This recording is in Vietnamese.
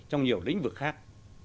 trong nhiều lĩnh vực khác